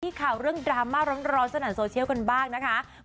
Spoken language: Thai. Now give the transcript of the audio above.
ที่ข่าวเรื่องดราม่าร้อนสถานสโชคิลกันบ้างนะครับ